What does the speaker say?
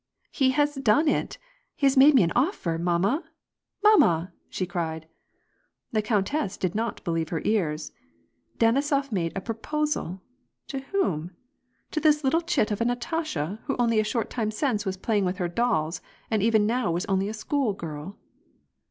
"He has done it! He has made me an offer; mamma! mamma !" she cried. The countess did not believe her ears. Denisof made a pro posal ! To whom ? To this little chit of a Natasha, who only a short time since was playing with her dolls, and even now was only a school girl.